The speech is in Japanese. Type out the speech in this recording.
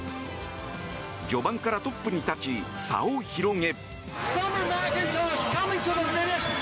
序盤からトップに立ち差を広げ。